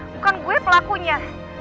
bukan gue pelakunya